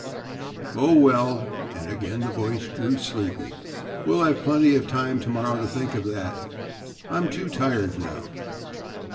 Oh, well," and again the voice grew sleepy, "we'll have plenty of time to morrow to think of that. I'm too tired now.